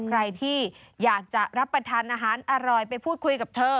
ใครที่อยากจะรับประทานอาหารอร่อยไปพูดคุยกับเธอ